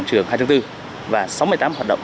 trường hai tháng bốn và sáu mươi tám hoạt động